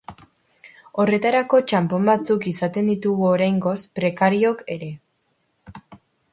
Horretarako txanpon batzuk izaten ditugu oraingoz prekariook ere.